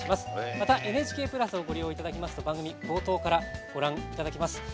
また、ＮＨＫプラスをご利用いただけますと番組冒頭からご覧いただけます。